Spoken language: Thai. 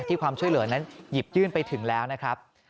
ความช่วยเหลือนั้นหยิบยื่นไปถึงแล้วนะครับ